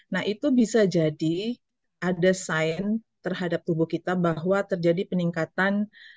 nah itu bisa jadi ada sign terhadap tubuh kita bahwa terjadi peningkatan